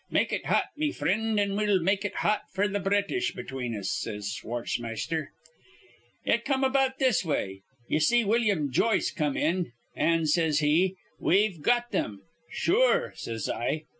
'Make it hot, me frind; an' we'll make it hot f'r th' British between us,' says Schwartzmeister. "It come about this way: Ye see Willum Joyce come in, an' says he, 'We've got thim.' 'Sure,' says I.